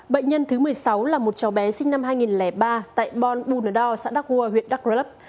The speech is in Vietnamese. bệnh nhân thứ một mươi sáu là một cháu bé sinh năm hai nghìn ba tại bonn bunnedal xã đắk hua huyện đắk rớp